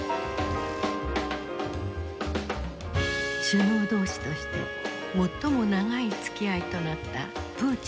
首脳同士として最も長いつきあいとなったプーチン大統領。